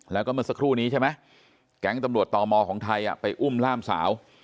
แล้วก็เมื่อสักครู่นี้ใช่ไหมแก๊งตำรวจต่อมอของไทยไปอุ้มล่ามสาว